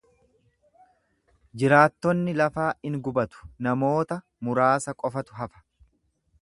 Jiraattonni lafaa in gubatu, namoota muraasa qofatu hafa.